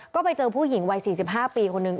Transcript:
ก็ไปเจอผู้หญิงวัย๔๕ปีคนนึง